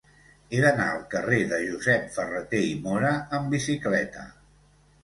He d'anar al carrer de Josep Ferrater i Móra amb bicicleta.